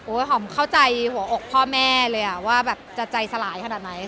หอมเข้าใจหัวอกพ่อแม่เลยว่าแบบจะใจสลายขนาดไหน